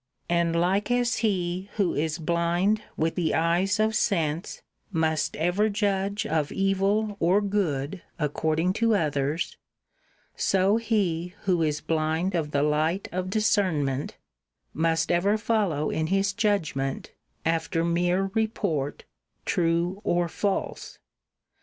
And like as he who is blind with the eyes of sense must ever judge of evil or good XL THE FIRST TREATISE 49 according to others, so he who is blind of the Sheeplike light of discernment must ever follow in his opinion judgment after mere report, true or false.